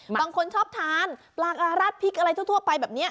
บางคนชอบทานปลากระรัดพริกอะไรทั่วไปแบบนี้